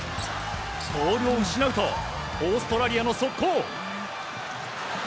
ボールを失うとオーストラリアの速攻。